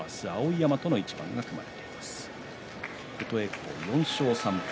琴恵光、４勝３敗